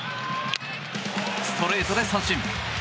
ストレートで三振。